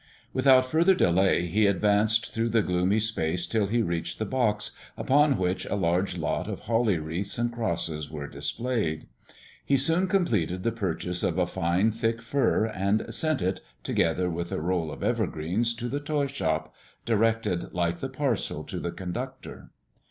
Without further delay he advanced through the gloomy space until he reached the box, upon which a large lot of holly wreaths and crosses were displayed. He soon completed the purchase of a fine thick fir, and sent it, together with a roll of evergreens, to the toy shop, directed like the parcel to the conductor.